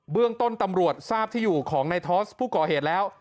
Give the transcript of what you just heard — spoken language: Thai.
เรื่องต้นตำรวจทราบที่อยู่ของในทอสผู้ก่อเหตุแล้ว